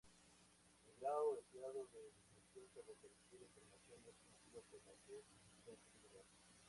El grado deseado de discreción sobre cualquier información es conocido como su sensibilidad.